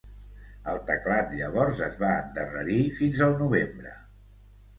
El teclat llavors es va endarrerir fins al novembre.